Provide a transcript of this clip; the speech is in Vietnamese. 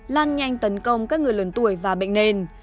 lan nhanh tấn công các người lớn tuổi và bệnh nền